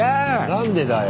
何でだよ。